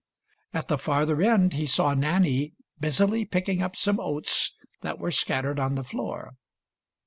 At the farther end he saw Nanny busily picking up some oats that were scattered on the floor.